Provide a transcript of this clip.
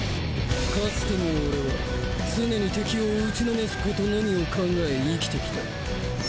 かつての俺は常に敵を打ちのめすことのみを考え生きてきた。